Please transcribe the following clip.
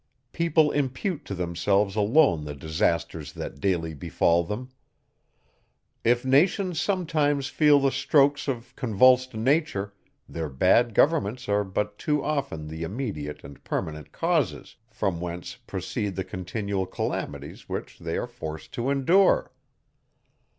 People impute to themselves alone the disasters that daily befal them. If nations sometimes feel the strokes of convulsed nature, their bad governments are but too often the immediate and permanent causes, from whence proceed the continual calamities which they are forced to endure.